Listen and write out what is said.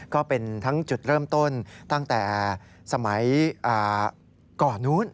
ก็เป็นทั้งจุดเริ่มต้นตั้งแต่สมัยก่อนนู้น